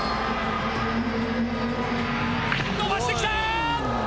伸ばしてきた！